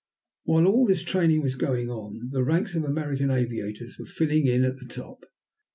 While all this training was going on the ranks of American aviators were filling in at the top.